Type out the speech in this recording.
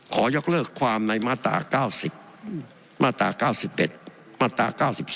ขอยกเลิกความในมาตรา๙๐มาตรา๙๑มาตรา๙๒